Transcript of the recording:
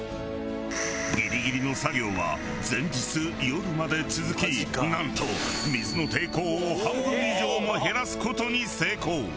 ギリギリの作業は前日夜まで続きなんと水の抵抗を半分以上も減らす事に成功。